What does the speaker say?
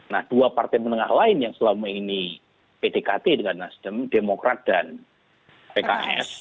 nah dua partai menengah lain yang selama ini ptkt dengan nasdem demokrat dan pks